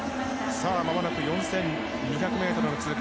まもなく４２００ｍの通過。